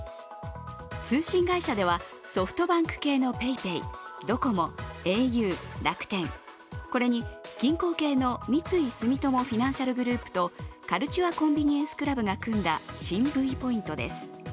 通信会社では、ソフトバンク系のＰａｙＰａｙ、ドコモ、ａｕ、楽天、これに銀行系の三井住友フィナンシャルグループと、カルチュア・コンビニエンス・クラブが組んだ新Ｖポイントです。